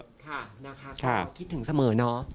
ค่ะคุณแอนาคาร์คุณคิดถึงเสมอเนอะ